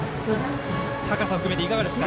高さを含めていかがですか？